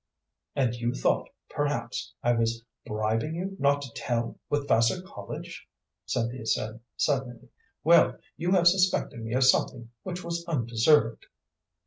"And you thought, perhaps, I was bribing you not to tell, with Vassar College," Cynthia said, suddenly. "Well, you have suspected me of something which was undeserved."